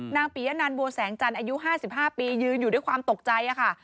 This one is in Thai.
ปียะนันบัวแสงจันทร์อายุ๕๕ปียืนอยู่ด้วยความตกใจค่ะ